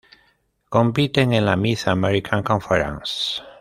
Compiten en la Mid-American Conference.